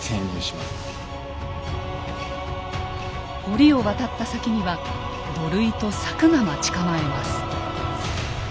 堀を渡った先には土塁と柵が待ち構えます。